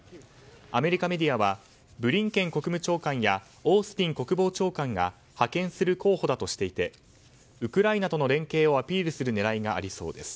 アメリカメディアはブリンケン国務長官やオースティン国防長官が派遣する候補だとしていてウクライナとの連携をアピールする狙いがありそうです。